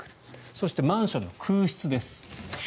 そして、マンションの空室です。